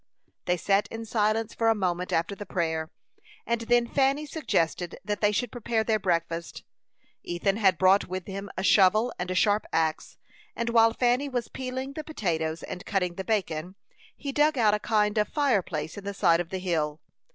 They sat in silence for a moment after the prayer, and then Fanny suggested that they should prepare their breakfast. Ethan had brought with him a shovel and a sharp axe, and while Fanny was peeling the potatoes and cutting the bacon, he dug out a kind of fireplace in the side of the hill.